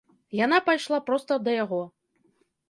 Яна пайшла проста да яго.